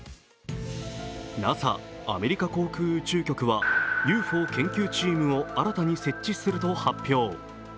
ＮＡＳＡ＝アメリカ航空宇宙局は、ＵＦＯ研究チームを新たに設置すると発表。